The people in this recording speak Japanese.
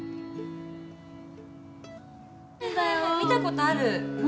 見たことある